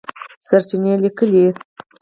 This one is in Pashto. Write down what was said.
سرچېنې لیکلي